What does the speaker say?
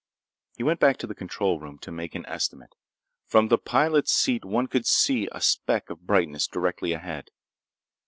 He went back to the control room to make an estimate. From the pilot's seat one could see a speck of brightness directly ahead.